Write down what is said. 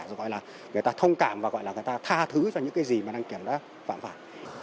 gọi là người ta thông cảm và gọi là người ta tha thứ cho những cái gì mà đăng kiểm đã phạm phạt